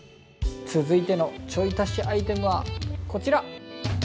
続いてのちょい足しアイテムはこちら。